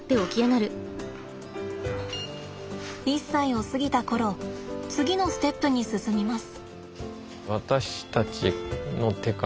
１歳を過ぎた頃次のステップに進みます。